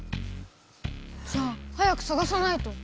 じゃあ早くさがさないと。